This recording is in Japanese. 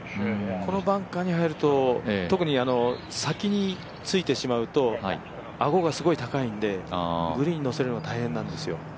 このバンカ−に入ると、特に先についてしまうとアゴがすごい高いので、グリーンに乗せるのが大変なんですよ。